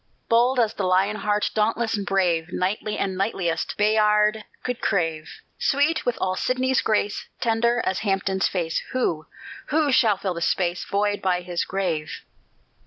Bold as the Lion heart, Dauntless and brave; Knightly as knightliest Bayard could crave; Sweet with all Sidney's grace, Tender as Hampden's face; Who who shall fill the space Void by his grave?